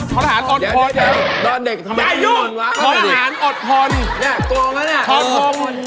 ธรรหารอดทนเดี๋ยวด้อนเด็กทำไมต้องนอนว้า